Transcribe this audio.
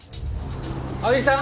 青柳さん！